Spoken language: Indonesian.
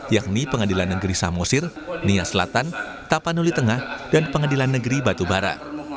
yakni pengadilan negeri samosir nia selatan tapanuli tengah dan pengadilan negeri batubara